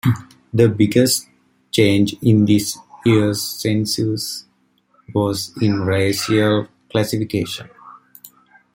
The biggest change in this year's census was in racial classification.